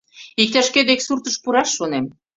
Иктаж-кӧ дек суртыш пураш шонем.